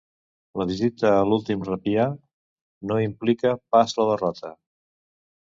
La visita a l'últim replà no implica pas la derrota.